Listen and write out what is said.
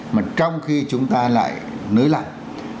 mà trong khi chúng ta lại nới lạnh